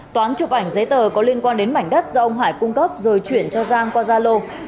toán chụp ảnh giấy tờ có liên quan đến mảnh đất do ông hải cung cấp rồi chuyển cho giang qua gia lô